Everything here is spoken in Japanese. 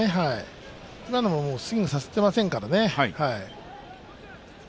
今のもスイングさせていませんからね。